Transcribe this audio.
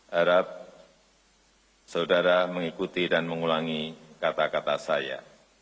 harap saudara mengikuti dan mengulangi kata kata saya